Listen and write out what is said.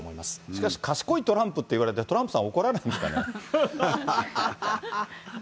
しかし、賢いトランプって言われて、トランプさん怒らないんですかね。